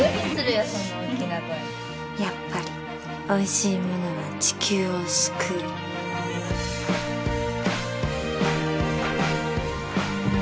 やっぱりおいしいものは地球を救う。